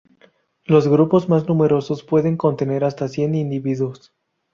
Los grupos más numerosos pueden contener hasta cien individuos.